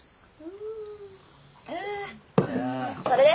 それで？